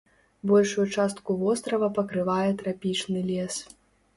Большую частку вострава пакрывае трапічны лес.